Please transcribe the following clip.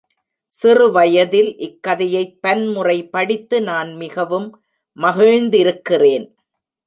சிறு வயதில், இக்கதையைப் பன்முறை படித்து நான் மிகவும் மகிழ்ந்திருக்கிறேன்.